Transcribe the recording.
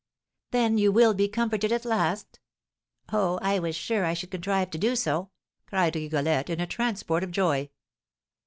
"Then you will be comforted at last? Oh, I was sure I should contrive to do so!" cried Rigolette, in a transport of joy.